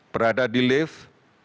berada di lift